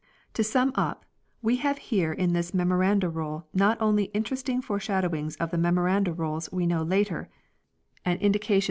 To sum up, we have in this Memoranda Roll not only interesting foreshadowings of the Memoranda Rolls we know later and indications of earlier ones in 1 Cf.